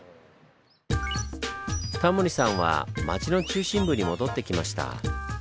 タモリさんは町の中心部に戻ってきました。